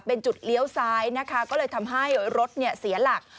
เป็นจุดเลี้ยวซ้ายนะคะก็เลยทำให้รถเสียหลัก